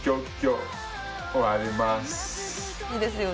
いいですよね。